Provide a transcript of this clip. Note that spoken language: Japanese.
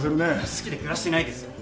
好きで暮らしてないですよ。